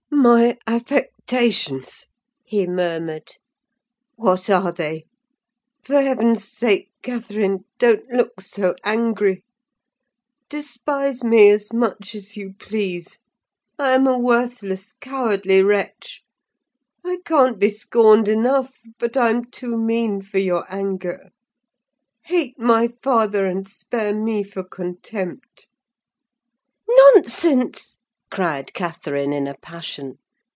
"My affectations!" he murmured; "what are they? For heaven's sake, Catherine, don't look so angry! Despise me as much as you please; I am a worthless, cowardly wretch: I can't be scorned enough; but I'm too mean for your anger. Hate my father, and spare me for contempt." "Nonsense!" cried Catherine in a passion.